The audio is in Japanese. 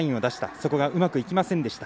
そこがうまくいきませんでした。